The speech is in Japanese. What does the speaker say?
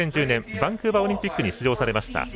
２０１０年バンクーバーオリンピックに出場されました。